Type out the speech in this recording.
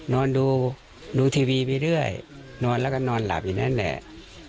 นอนดูดูทีวีไปเรื่อยนอนแล้วก็นอนหลับอยู่นั่นแหละ